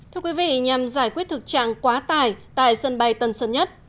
thưa quý vị nhằm giải quyết thực trạng quá tài tại sân bay tân sân nhất